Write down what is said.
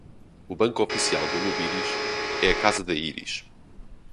o banco oficial do lobiris é a casa da íris